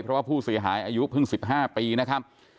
เพราะว่าผู้เสียหายอายุเพิ่ง๑๕ปีนะครับ